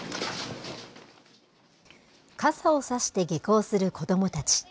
傘を差して下校する子どもたち。